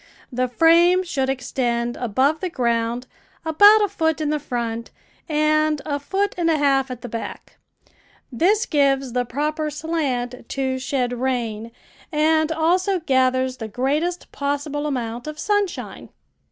The frame should extend above the ground about a foot in the front and a foot and a half at the back. This gives the proper slant to shed rain, and also gathers the greatest possible amount of sunshine.